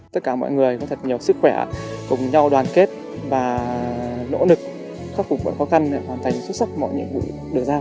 tất cả mọi người có thật nhiều sức khỏe cùng nhau đoàn kết và nỗ lực khắc phục mọi khó khăn để hoàn thành xuất sắc mọi nhiệm vụ được giao